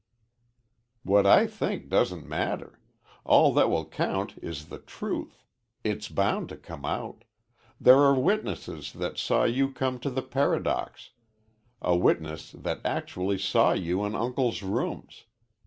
"What I think doesn't matter. All that will count is the truth. It's bound to come out. There are witnesses that saw you come to the Paradox, a witness that actually saw you in uncle's rooms.